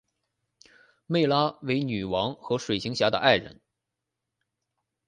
湄拉为女王和水行侠的爱人。